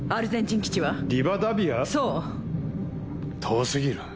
遠過ぎる。